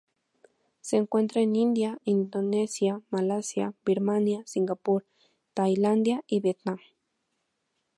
Se encuentra en India, Indonesia, Malasia, Birmania, Singapur, Tailandia y Vietnam.